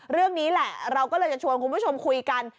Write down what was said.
เรื่องนี้แหละเราก็เลยจะชวนคุณผู้ชมคุยกัน